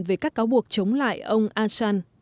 về các cáo buộc chống lại ông assange